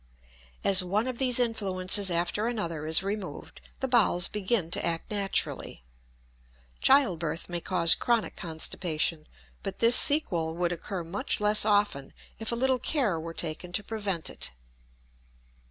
As one of these influences after another is removed the bowels begin to act naturally. Childbirth may cause chronic constipation, but this sequel would occur much less often if a little care were taken to prevent it.